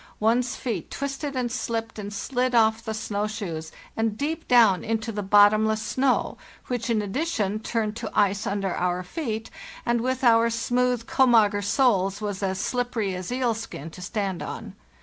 One's feet twisted and slipped and slid off the snow shoes and deep down into the bottomless snow, which, in addition, turned to ice under our feet, and with our smooth komager soles was as slippery as eelskin to stand on.